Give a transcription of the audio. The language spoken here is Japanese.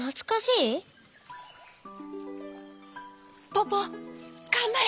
ポポがんばれ！